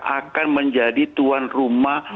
akan menjadi tuan rumah